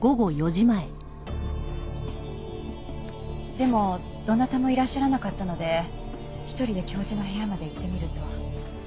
でもどなたもいらっしゃらなかったので一人で教授の部屋まで行ってみると。